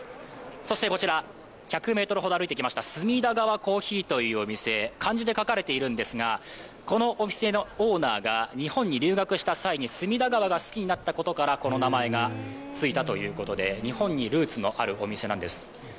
そしてこちら、１００ｍほど歩いてきました隅田川珈琲というお店、漢字で書かれているんですが、このお店のオーナーが日本に留学した際に隅田川が好きになったことからこの名前がついたということで日本にルーツのあるお店なんです。